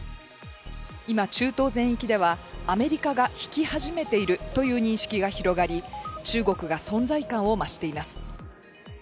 今、中東全域ではアメリカが引き始めているという認識が広がり、中国が存在感を増しています。